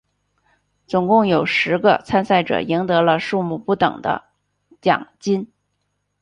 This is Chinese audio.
总共有十个参赛者赢得了数目不等的奖金。